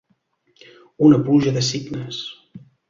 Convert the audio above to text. Una pluja de signes.